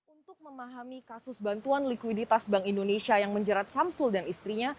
untuk memahami kasus bantuan likuiditas bank indonesia yang menjerat samsul dan istrinya